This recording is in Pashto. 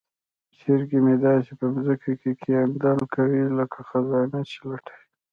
چرګې مې داسې په ځمکه کې کیندل کوي لکه خزانه چې لټوي.